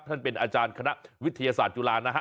ท่านเป็นอาจารย์คณะวิทยาศาสตร์จุฬานะฮะ